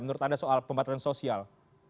menurut anda soal pembatasan sosial